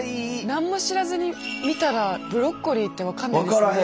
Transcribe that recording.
何も知らずに見たらブロッコリーって分かんないですね。